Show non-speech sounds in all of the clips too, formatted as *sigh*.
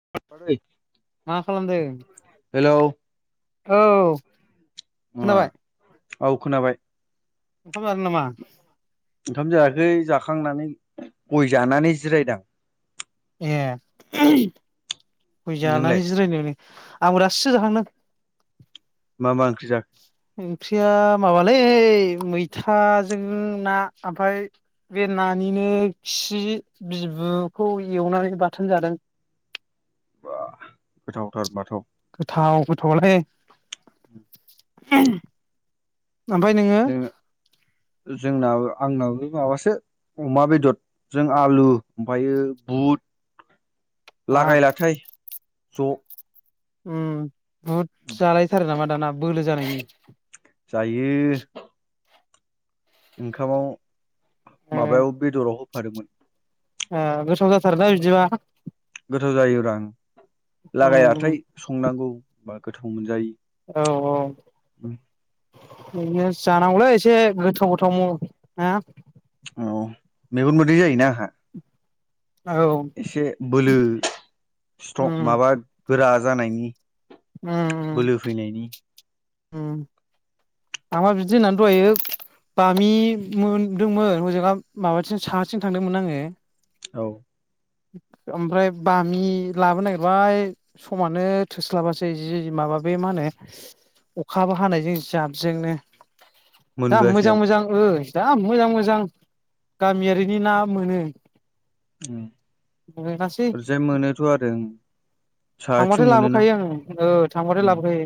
*unintelligible* मा खालामदों? औ। उमअ खोनाबाय औ खोनाबाय। *unintelligible* नामा ओंखाम जायाखै जाखांनानै गय जानानै जिरायदो आं। ए गय नोंलाय जानानै जिरायदों नै। आंबो दासो जाखांदों। मा मा ओंख्रि जाखो? ओंख्रिया माबालै मैथाजों ना ओमफ्राय बे नानिनो खि बिबुखौ एवनानै बाथोन जादों। बा गोथावथार माथ'। गोथाव गोथावालाय ओमफाय नोङो? जोंनाबो आंनाबो माबासो अमा बेदद जों आलु ओमफायो बुट। हाब लागायलाथाय। ज' उम। बुट जालायथारो नामा? दाना बोलो जानायनि। जायो। ओंखामाव ओ माबायाव बेदराव। बादोंमोन ओ गोथाव जाथारोना इदिबा? गोथाव जायोब्रा ओं। लागाय उम लाथाय संनांगौ बा गोथाव मोनजायो। औ औ। *unintelligible* जानांगौलै एसे गोथाव गोथाव म ना। औ मेगन मोदै जायोना आहा। औ एसे बोलो स्ट उम माबा गोरा जानायनि। उम बोलो फैनायनि। उम। आंबा बिदि होननानै दहायो बामि मोनदोंमोन हजोंआव माबाथिं साहाथिं थांदोंमोन आङो। औ। ओमफ्राय बामि लाबोनो नागिरबाय समानो थोस्लाबासै जि माबा बे मा होनो अखाबो हानायजों जाब जोंनो। दा मोनबोआसै मोजां आं मोजां ओ। जा मोजां मोजां गामियारिनि ना मोनो। मोनासै ओरैजाय मोनोथ' आरो साहाथिं थांबाथाय मोनोना लाबोखायो आं ओ थांबाथाय लाबोखायो।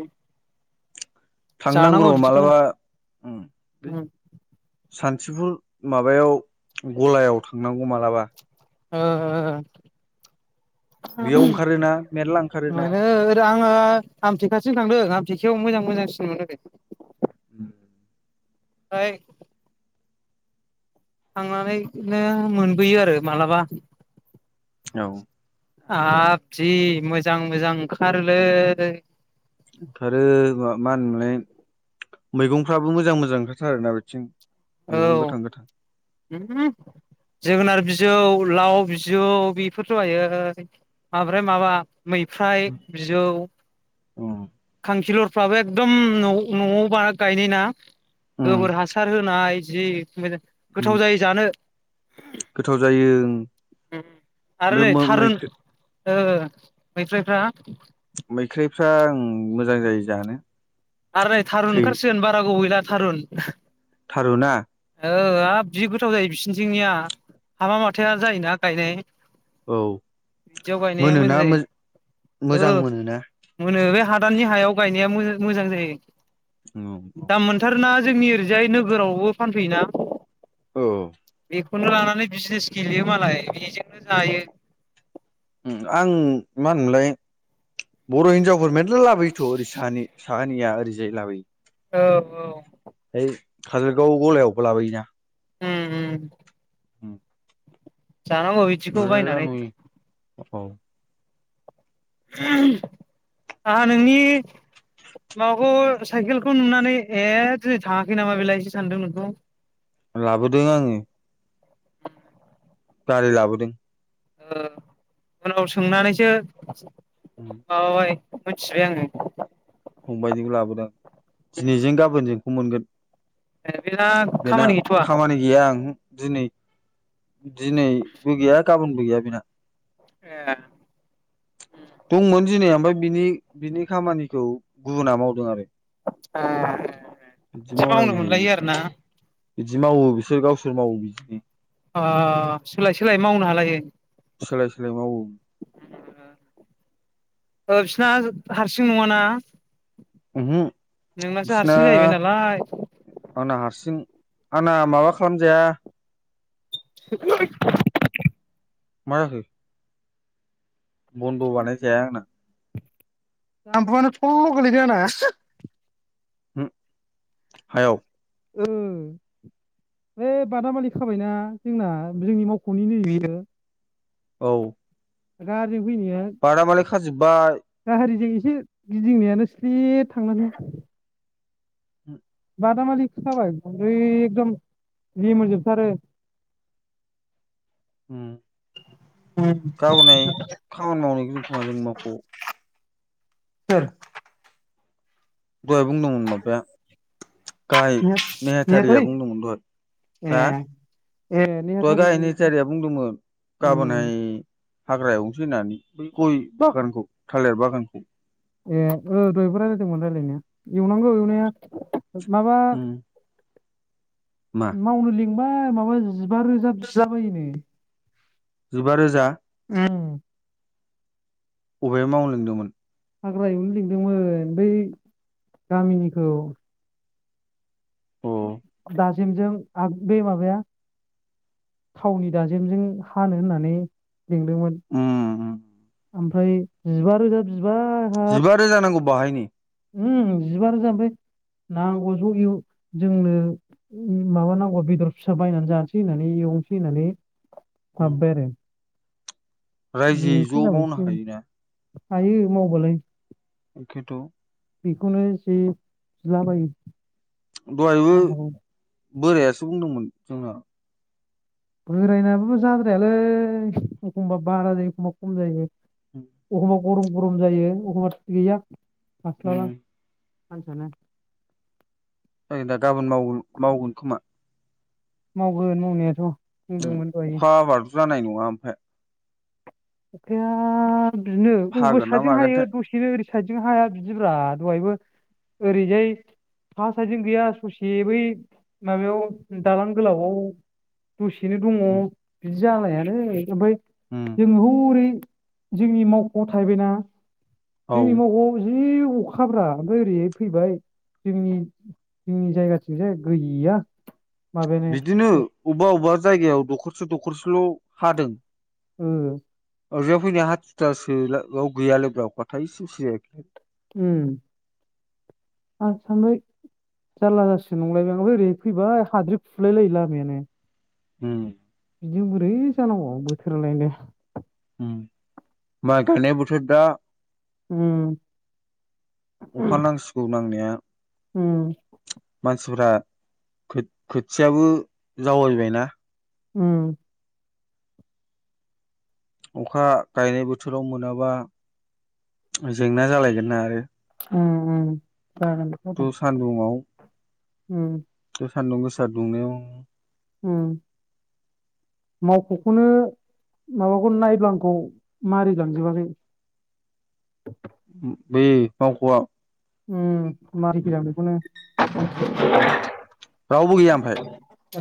जानांगौ थांनांग्रम बिदिखौनो मालाबा उम बे उम सानथिफुर माबायाव गलायाव थांनांगौ मालाबा। ओ ओ। बेयाव ओंखारोना मेरला ओंखारो ना। दा आङो आमथेखासिम थांदों आमथेखायाव मोजां मोजां सिन मोनो बे उम। *unintelligible* थांनानैनो मोनबोयो आरो मालाबा। औ। आब जि मोजां मोजां ओंखारोलै। ओंखारो मा मा होनोमोनलाय मैगंफ्राबो मोजां मोजां ओंखारथारोना बिथिं। औ मैगं गोथां गोथां। उम जोगोनार बिजौ लाव बिजौ बेफोरथ'हायो ओमफ्राय माबा मैफ्राइ बिजौ खांखिलर फ्राबो एकदम नौ न'आव बा गायनायना? गोबोर हासार हो *unintelligible* गोथाव जायो जानो। गोथाव जायो ओं आरो बे नै मो थारुन मैखो ओ मैफ्राइफ्रा? मैखाइफ्रा ओं। आरो नै थारुन ओंखारसिगोन बारा गोबाव गैला। थारुन। थारु ना। ओ जि गोथाव जायो बिसोरनिथिंनिया हाबा माथाया जायोना गायनाय। औ बिदियाव गायनाया मोनोना मोजां जायो मोजां औ मोनोना मोनो बे हादाननि हायाव गायनाया मोजां मोजां जायो। दाम मोनथारोना? जोंनि ओरैजाय नोगोरावबो। फानफैयो ना। औ। बेखौनो लानानै बिजनेस गेलेयो मालाय बेजोंनो जायो। आं मा होनोमोनलाय बर' हिनजावफोर मेरला लाबोयोथ' ओरै साहानि साहानिया ओरैजाय लाबोयो। औ औ। औ खाजलगाव गलायावबो लाबोयोना। उम उम। उ *inaudible* जानांगौ बिदिखौ बायायनानै। औ उम आंहा नोंनि माबाखौ साइकेलखौ नुनानै ए दिनै थाङाखै नामा बेलाय सो सानदों नोंखौ। लाबोदों आङो। गारि लाबोदों। ओ उनाव सोंनानैसो *inaudible* औ । *inaudible* मोनथिबाय आङो। फंबायनिखौ लाबोदों दिनैजों गाबोनजोंखौ मोनगोन। ए। *inaudible* बेना खामानि गैया ओंहु दिनै दिनैबो गैया गाबोनबो गैया बेना ए दंमोन दिनै ओमफ्राय बिनि बिनि खामानिखौ गुबुना मावदों आरो ए बिदि बिदि मावनो मावलायनो हायो मोनलायो बिसोरना आरोना बिदि मावो बिसोर गावसोर मावो बिदि अ सोलाय-सोलाय मावनो हालायो। सोलाय-सोलाय मावो। ओ बिसिना हारसिं नङाना उमहु नोंनासो बिसिना हारसिं जाहैबाय नालाय आंना हारसिं आंना माबा खालामजाया *inaudible* मा जाखो? बन्द' बानाय जाया आंना जानबुंआनो थरल' गोग्लैदों आंना हो हायाव ओ बे बादामालि खाबायना जोंना जोंनि मावख'नि नै बियो औ गार- जों फैनाया खाजोब जाहारिजों एसे गिदिंनायानो स्लिप थांनानै *inaudible* बादामालि खाबाय गुरै एकदम रिमोनजोबथारो ओम गावनाय खामानि मावनायखौ जों खोमा जों मावख' सोर? दहाय बुंदोंमोन माबाया गाहाय नेहाथारिया नेहाथारि बुंदोंमोन दहय ए हा ए दहाय गाहाय नेहाथारिमोन नेहाथारिया बुंदोंमोन उम गाबोनहाय हाग्रा एवनोसै होननानै बै गय बागानखौ थालिर बागानखौ ए ओ दहायबो रायलायदोंमोन रायलायनाया एवनांगौ एवनाया माबा उम मा मावनो लिं लिंबाय माबा जिबा रोजा बिला बायोनो जिबा रोजा बबेयाव मावनो लेंदोंमोन? हाग्रा एवनो लिंदोंमोन बै गामिनिखौ अ *unintelligible* जेंजों आग बे माबाया थावनि दाजेमजों हानो होननानै लिंदोंमोन उम उम ओमफ्राय जिबा रोजा बिबाय हाब बाहायनि ओम जिबा रोजा बे नांगौ ज' जोंनो माबानांगौ बेदर फिसा बायनानै जानोसै होननानै एवनोसै होननानै हाबबाय आरो दिनै रायजोयै ज' एसे गाबोन मावनो एसे हायोना? हायो मावबालाय एखेथ' बेखौनो जे बिलाबायो। दहायबो जानांगौ बोरायासो बुंदोंमोन जोंना बोरायनायाबो जाद्रायालै एखमबा बारा जायो एखमबा खम जायो। अखमब गरम गरम जायो अखम्बा गैया उम हास्लाबा मानसियानो ओ दा गाबोन मावो मावगोन खोमा मावगोन मावनायाथ' बुंदोंमोन दहायो। अखा हाबाथ' जानाय नङा ओमफाय अखाया बिनो अबेबा हागोन ना साइदजों हायो मागोनथाय दसेनो ओरैस साइदजों हाया बिदिब्रा दहायबो ओरैजाय हा साइदजों गैया ससे बै माबायाव दालां गोलावआव दसेनो दङ बिद जानायानो ओमफाय उम जों हरै जोंनि मावख'आव थाहैबायना औ जोंनि मावख'आव जिउ अखाब्रा ओमफाय ओरैहाय फैबाय जोंनि जोंनि जायगाथिंजाय गैया। बिदिनो माबायानो ओ अब्बा अब्बा जायगायाव दखरसे दखरसेल' हादों ओरैजा फैनाय हाथिथासो ला गाव गैया लोगोआव अथाय *unintelligible* उम आं सानबाय जारला जारसिगोन नंलायबाय आं ओमफाय ओरै फैबाय हाद्रि खुलाय लायो लामायानो। उम बिजों बोरै जानांगौ बोथोरालाय होनदो उम माय गायनाय बोथोर दा उम अखा नांसिगौ नांनाया उम। मानसिफ्रा खो-खोथियाबो जावायबायना उम। अखा गायनाय बोथोराव मोनाबा जेंना जालायगोन ना आरो। उम उम। जागोन थु जागोन सान्दुंआव उम। सान्दुं गोसा दुंनायाव उम मावख'खौनो माबाखौ नायब्लांखौ मारि लांजोबाखै उम बे मावख'आ उम। मारि फैदां बेखौनो। रावबो गैया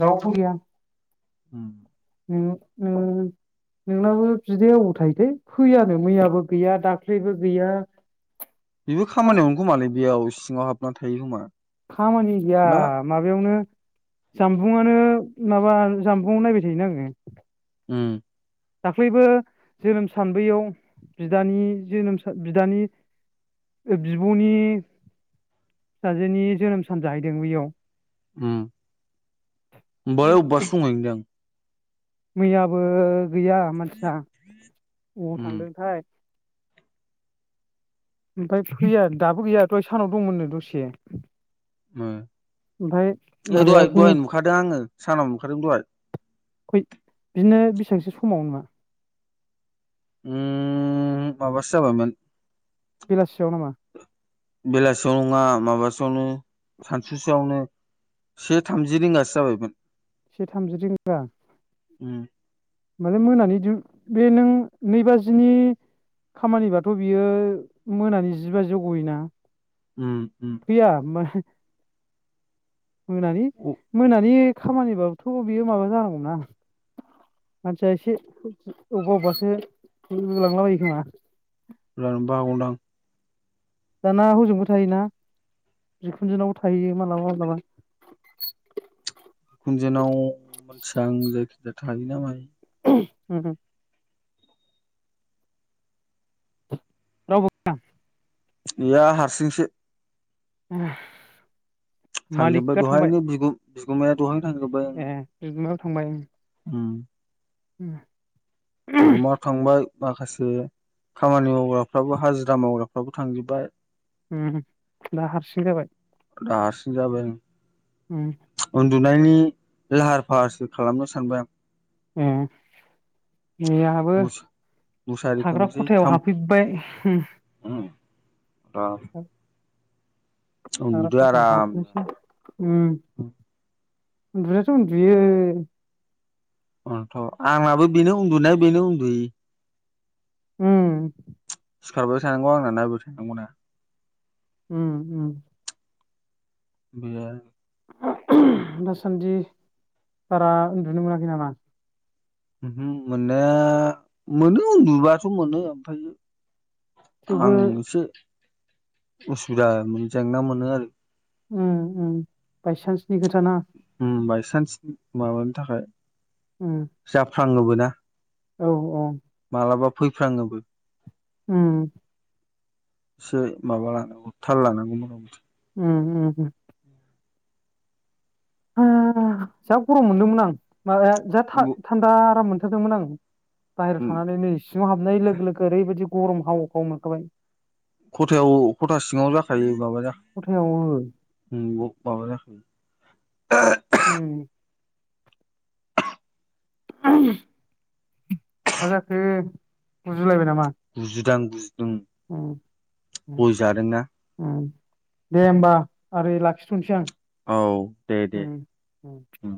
रावबो गैया! उम। नोंनाव नोंनाबो नोंनाबो बिदाया अबाव थायोथाय फैयानो मैयाबो गैया दाख्लैबो गैया । बेबो खामानियावनो खोमालै बेयाव सिङाव हाबनानै थायो खोमा खामानि गैया ना माबायावनो जामबुंआनो माबा जामबुं नायबाय थायो ना आङो। उम। दाख्लैबो जोनोम सान बैयाव बिदनि जोनोम सान बिदानि बिब'नि फिसाजोनि जोनोम सान जाहैदों बैयाव उम ओमफ्राय अबबासो दंहैयो नोंदां मैयाबो गैया मानसिया बबाव उम थांदोंथाय ओमफ्राय फैया दाबो गैयााथ' सानाव दंमोननो दसे। मा। ओमफ्राय ए माबाया दहाय दहाय बिदिनो नुखादों आङो सानाव नुखादों दहाय। बेसोंसो समाव नुआ। उम माबासो जाबायमोन बेलासियाव नामा। बेलासियाव नङा माबासोयावनो सानसुसोआवनो से थामजि रिंगासो जाबायमोन। से थामजि रिंगा। उम माने मोनानि बे नों नै बाजिनि खामानिबाथ' बियो मोनानि जि बाजियाव गयोना। उम उम गैया म मोनानि अ मोनानि खामानिबाबोथ' बेयो माबा जानांगौना मानसिया एसे अबेबा अबेबासो होलांलाबायो खोमा। जानोबो हागौदां। दाना हजोंबो थायोना बिखुनजोनावबो थाहैयो माब्लाबा माब्लाबा। दा थायो ना मायो। *inaudible* रावबो गैया? गैया हारसिंसो। ए थांजोब्बाय दहायनो बिगु बिगुमाया दहायनो थांजोब्बाय ओं ए बिगुमाया थांबाय उम उम बिगुमा थांबाय। माखासे खामानि मावग्राफ्राबो हाजिरा मावग्राफ्राबो थांजोब्बाय। उम दा हारसिं जाबाय। दा हारसिं जाबाय आङो। उम दुनायनि लाहार फाहारसो खालामनो सानबाय आं। ए नै आहाबो मुसा मुसारि थाग्रा खोंनोसै खथायाव थाम हाबफैबाय उम। उम दा थाग्रा उन्दुदो खथायाव हाबनोसै‌ आरामनो उम। उनदुनायाथ' उनदुयो। ओंथ' आंनाबो बेनो उनदुनाय बेनो उनदुयि। उम सिखारबाय थानांगौ आंना नायबाय थानांगौना। उम उम गैया। दासानदि बारा उनदुनो मोनाखै नामा? ओमहो मोननाया मोनो उनदुबाथ' मोनो आमफायो थेवबो आंसो उसुबिदा मोनो जेंना मोनो आरो। उम उम बायसान्स नि खोथाना। न्स माबानि थाखाय उम फ्लाङोबोना। औ औ फैफ्राङोबो। उम एसे माबा थाल लानानै। उम उम उम उम जा गरम मोनदोंमोन आं। ओ जा था-थान्दा आराम मोन थारदोंमोन आं बाहेरायाव उम थांनानै नै सिङाव हाबनाय लोगो-लोगो ओरैबायदि गरम हाव हाव मोनखाबाय। खथायाव-खथा सिङाव जाखायो माबा जा खथायाव ओ माबा जाखो उम *unintelligible* मा जाखो? गु रायलायबाय नामा? गुजुदां गुजुदुं उम उम गय जादोंना उम दे होमबा ओरै लाखिथ'नोसै आं। औ दे उम दे उम ओम